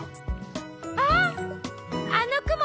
あっあのくも